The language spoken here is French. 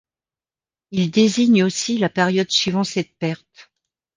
Il désigne aussi la période suivant cette perte.